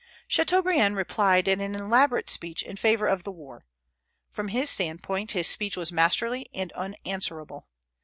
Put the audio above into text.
Chateaubriand replied in an elaborate speech in favor of the war. From his standpoint, his speech was masterly and unanswerable.